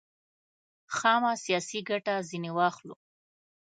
خامه سیاسي ګټه ځنې واخلو.